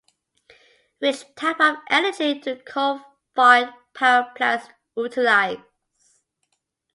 Which type of energy do coal-fired power plants utilize?